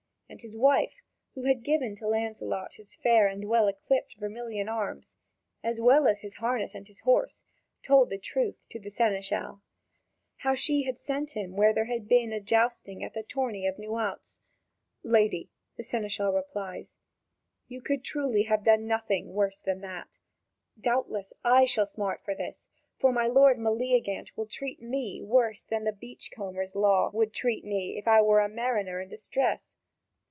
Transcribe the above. And his wife, who had given to Lancelot his fair and well equipped vermilion arms, as well as his harness and his horse, told the truth to the seneschal how she had sent him where there had been jousting at the tourney of Noauz. "Lady," the seneschal replies, "you could truly have done nothing worse than that. Doubtless, I shall smart for this, for my lord Meleagant will treat me worse than the beach combers' law would treat me were I a mariner in distress.